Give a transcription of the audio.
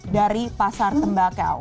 dari pasar tembakau